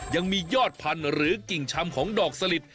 ยังมียอดพันธุ์หรือกิ่งชำของดอกสลิด